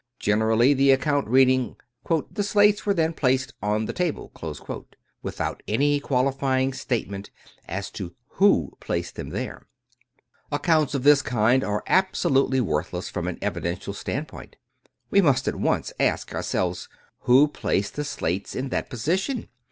generally the account reading "the slates were then placed on the table," without any qualifying statement as to who placed them there. Accounts of this kind are absolutely worth less, from an evidential standpoint We must at once ask ourselves: who placed the slates in that position?